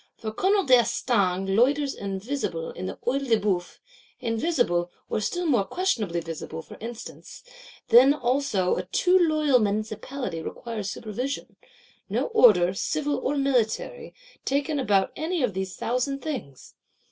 For Colonel d'Estaing loiters invisible in the Œil de Bœuf; invisible, or still more questionably visible, for instants: then also a too loyal Municipality requires supervision: no order, civil or military, taken about any of these thousand things!